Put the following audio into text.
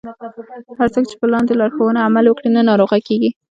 هر څوک چې په لاندې لارښوونو عمل وکړي نه ناروغه کیږي.